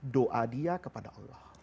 doa dia kepada allah